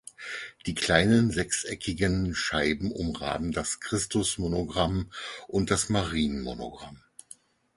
Die kleinen sechseckigen Scheiben umrahmen das Christusmonogramm und das Marienmonogramm.